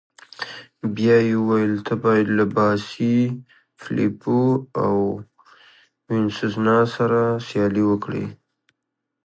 بیا يې وویل: ته باید له باسي، فلیپو او وینسزنا سره سیالي وکړې.